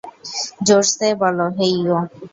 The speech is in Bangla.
জোরসে বলো হেইয়ো!